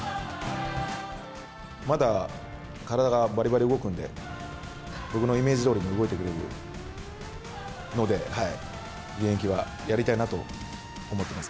まだ体がばりばり動くんで、僕のイメージどおりに動いてくれるので、現役はやりたいなと思っています。